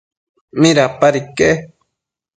¿midapad iquec?